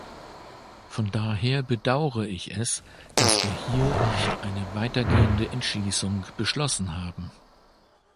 Von daher bedaure ich es, dass wir hier nicht eine weitergehende Entschließung beschlossen haben.